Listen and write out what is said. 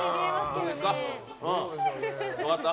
分かった？